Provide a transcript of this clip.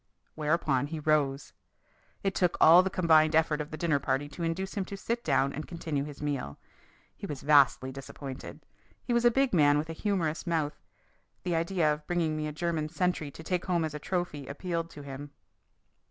Whereupon he rose. It took all the combined effort of the dinner party to induce him to sit down and continue his meal. He was vastly disappointed. He was a big man with a humorous mouth. The idea of bringing me a German sentry to take home as a trophy appealed to him.